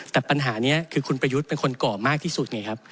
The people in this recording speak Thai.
แต่ปัญหานี้คือคุณประยุทธ์เป็นคนก่อมากที่สุดไงครับ